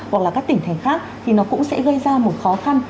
hoặc là các tỉnh thành khác thì nó cũng sẽ gây ra một khó khăn